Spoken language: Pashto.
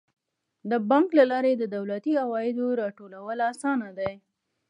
د بانک له لارې د دولتي عوایدو راټولول اسانه دي.